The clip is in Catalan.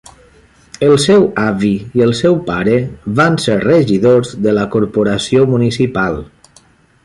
El seu avi i el seu pare van ser regidors de la corporació municipal.